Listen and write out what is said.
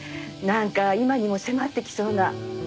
なんか今にも迫ってきそうな。